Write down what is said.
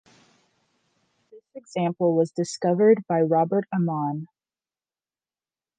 This example was discovered by Robert Ammann.